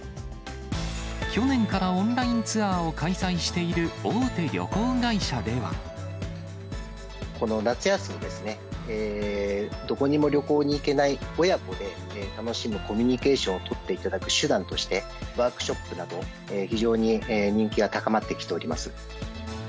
去年からオンラインツアーをこの夏休みですね、どこにも旅行に行けない親子で楽しむコミュニケーションを取っていただく手段として、ワークショップなど非常に人気が高まってきております。